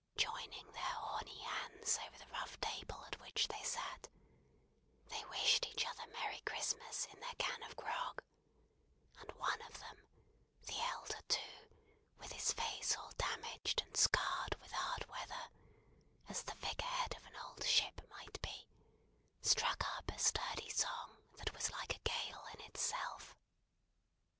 Joining their horny hands over the rough table at which they sat, they wished each other Merry Christmas in their can of grog; and one of them: the elder, too, with his face all damaged and scarred with hard weather, as the figure head of an old ship might be: struck up a sturdy song that was like a Gale in itself.